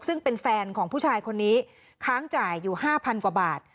ซึ่งเป็นแฟนของผู้ชายคนนี้ค้างจ่ายอยู่๕๐๐กว่าบาท